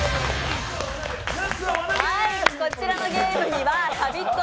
こちらのゲームには「ラヴィット！」